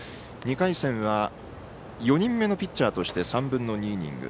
２回戦は４人目のピッチャーとして３分の２イニング。